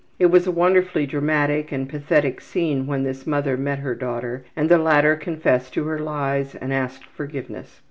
It was a wonderfully dramatic and pathetic scene when this woman met her daughter and the latter confessed to her lies and asked forgiveness.